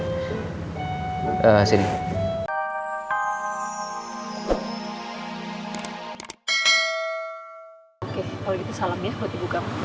oke kalau gitu salamnya buat ibu kamu